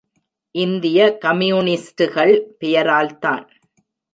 இந்திய கம்யூனிஸ்டுகள் பெயரால்தான்.